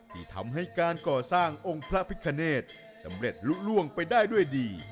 ที่ทำให้การก่อสร้างองค์พระพิคเนตสำเร็จลุกล่วงไปได้ด้วยดี